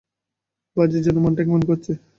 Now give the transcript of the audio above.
বাড়ির জন্যে মনটা কেমন করছে।